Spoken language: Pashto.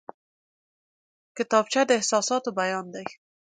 کتابچه د احساساتو بیان دی